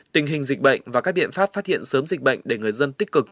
tình hình dịch bệnh và các biện pháp phát hiện sớm dịch bệnh để người dân tích cực